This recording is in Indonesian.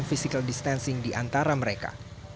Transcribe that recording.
physical distancing di antara mereka